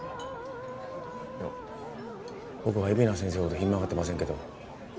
いや僕は海老名先生ほどひん曲がってませんけど。